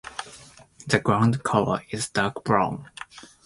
The ground colour is dark brown.